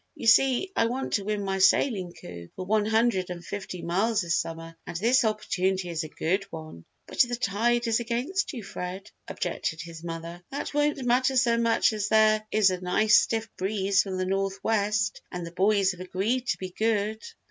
You see, I want to win my sailing coup for one hundred and fifty miles this summer, and this opportunity is a good one." "But the tide is against you, Fred," objected his mother. "That won't matter so much as there is a nice stiff breeze from the northwest and the boys have agreed to be good."